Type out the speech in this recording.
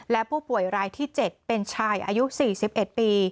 และผู้ป่วยรายที่๗เป็นชายอายุ๔๑ปี